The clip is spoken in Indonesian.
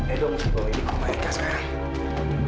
edo mesti bawa edo ke rumah eka sekarang